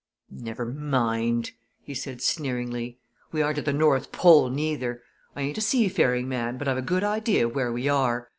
"Never mind!" he said sneeringly. "We aren't at the North Pole neither I ain't a seafaring man, but I've a good idea of where we are!